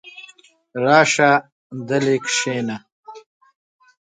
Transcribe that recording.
راشه دلې کښېنه!